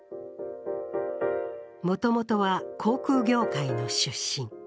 もともとは航空業界の出身。